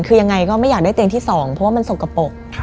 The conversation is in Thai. คือยังไงก็ไม่อยากได้เตียงที่๒เพราะว่ามันสกปรก